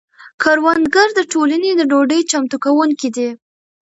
کروندګر د ټولنې د ډوډۍ چمتو کونکي دي.